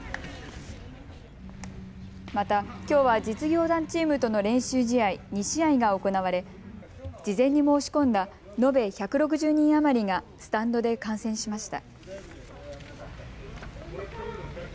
また、きょうは実業団チームとの練習試合２試合が行われ事前に申し込んだ延べ１６０人余りがスタンドで観戦しました。